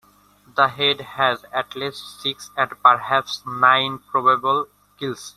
The head has at least six and perhaps nine probable gills.